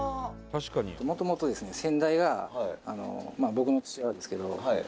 「もともとですね先代が僕の父親ですけど」